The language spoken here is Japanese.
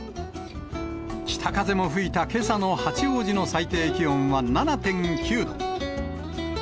北風も吹いたけさの八王子の最低気温は７．９度。